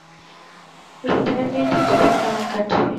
রিটায়ারমেন্টের জীবন কেমন কাটছে?